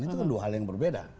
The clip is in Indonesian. itu kan dua hal yang berbeda